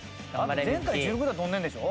だって前回１６段跳んでるんでしょ？